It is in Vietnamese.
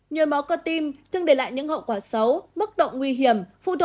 nhôi máu cơ tim chứng đề lại những hậu quả xấu mức độ nguy hiểm